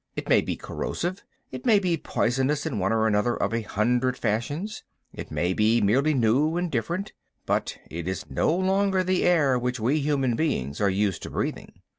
It may be corrosive, it may be poisonous in one or another of a hundred fashions, it may be merely new and different; but it is no longer the air which we human beings are used to breathing.